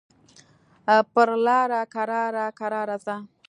پر لاره کرار کرار ځه.